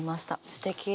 すてき。